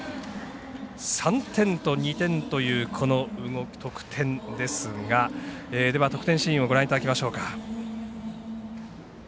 ３点と２点というこの得点ですが得点シーンをご覧いただきます。